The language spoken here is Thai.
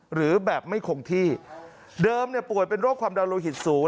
หรือแบบไม่คงที่เดิมป่วยเป็นโรคความดันโลหิตสูง